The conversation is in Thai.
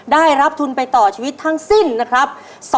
ได้รับทุนไปต่อชีวิตทั้งสิ้นนะครับ